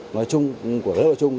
nói chung của lớp hội chung